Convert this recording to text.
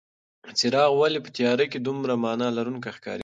څراغ ولې په تیاره کې دومره مانا لرونکې ښکارېده؟